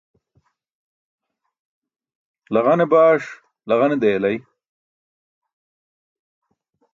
Laġane baṣ laġan deyali.